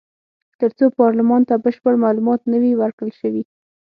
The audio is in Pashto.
تر څو پارلمان ته بشپړ معلومات نه وي ورکړل شوي.